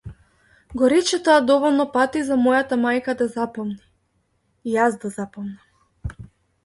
Го рече тоа доволно пати за мојата мајка да запомни, и јас да запомнам.